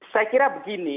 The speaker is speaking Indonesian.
saya kira begini